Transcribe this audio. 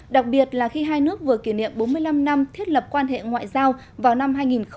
đặc biệt là khi hai nước vừa kỷ niệm bốn mươi năm năm thiết lập quan hệ ngoại giao vào năm hai nghìn hai mươi